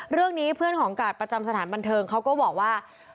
เรื่องนี้เพื่อนของกาดประจำสถานบันเทิงเขาก็บอกว่า